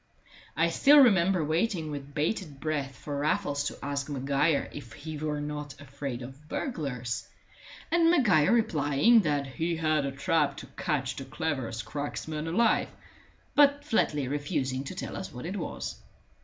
I still remember waiting with bated breath for Raffles to ask Maguire if he were not afraid of burglars, and Maguire replying that he had a trap to catch the cleverest cracksman alive, but flatly refusing to tell us what it was.